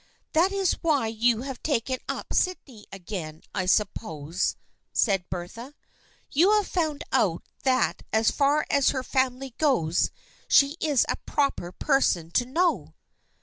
" That is why you have taken up Sydney again, I suppose," said Bertha. " You have found out that as far as her family goes she is a proper per son to know."